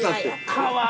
かわいい。